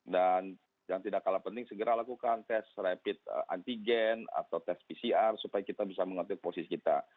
dan yang tidak kalah penting segera lakukan tes rapid antigen atau pcr supaya kita bisa mengatur posisi kita